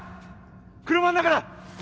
車の中だ！